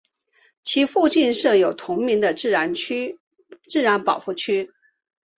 其附近设有同名的自然保护区。